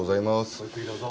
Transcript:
ごゆっくりどうぞ。